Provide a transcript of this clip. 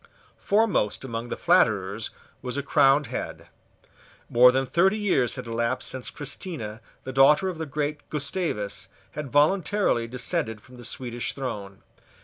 Foremost among the flatterers was a crowned head. More than thirty years had elapsed since Christina, the daughter of the great Gustavus, had voluntarily descended from the Swedish throne.